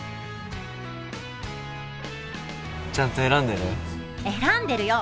ちゃんと選んでる？